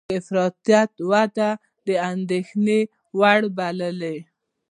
د افراطیت وده د اندېښنې وړ بللې